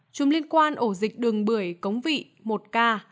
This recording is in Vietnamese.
chùm liên quan ổ dịch đường bưởi cống vị một k